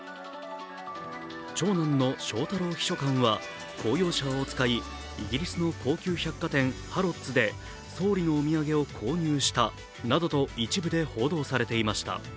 長男の翔太郎秘書官は公用車を使いイギリスの高級百貨店ハロッズで総理のお土産を購入したなどと一部で報道されていました。